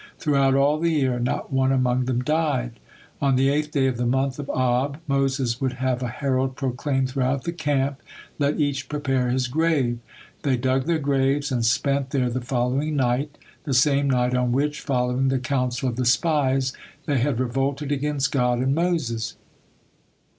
Throughout all the year not one among them died. On the eighth day of the month of Ab, Moses would have a herald proclaim throughout the camp, "Let each prepare his grave." They dug their graves, and spent there the following night, the same night on which, following the counsel of the spies, they had revolted against God and Moses.